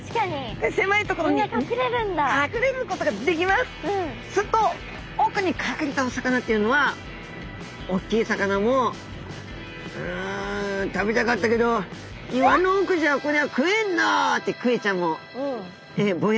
すると奥に隠れたお魚っていうのは「おっきい魚もうん食べたかったけど岩の奥じゃこりゃ食えんな」ってクエちゃんもぼやいたり。